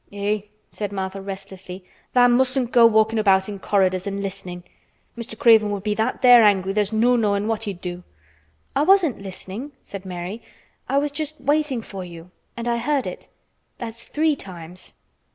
"Eh!" said Martha restlessly. "Tha' mustn't go walkin' about in corridors an' listenin'. Mr. Craven would be that there angry there's no knowin' what he'd do." "I wasn't listening," said Mary. "I was just waiting for you—and I heard it. That's three times."